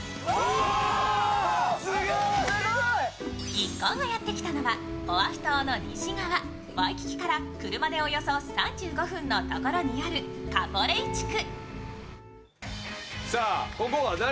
一行がやってきたのはオアフ島の西側、車でおよそ３５分のところにあるカポレイ地区。